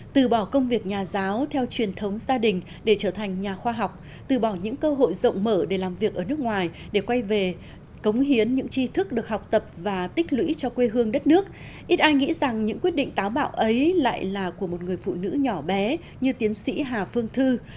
từ bỏ công việc nhà giáo theo truyền thống gia đình để trở thành nhà khoa học từ bỏ những cơ hội rộng mở để làm việc ở nước ngoài để quay về cống hiến những tri thức được học tập và tích lũy cho quê hương đất nước ít ai nghĩ rằng những quyết định táo bạo ấy lại là của một người phụ nữ nhỏ bé như tiến sĩ hà phương thư